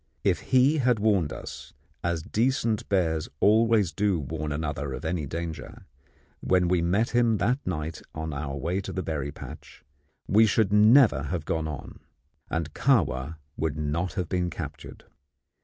If he had warned us, as decent bears always do warn one another of any danger, when we met him that night on our way to the berry patch, we should never have gone on, and Kahwa would not have been captured.